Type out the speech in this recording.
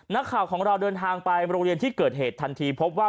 นักข่าวของเราเดินทางไปโรงเรียนที่เกิดเหตุทันทีพบว่า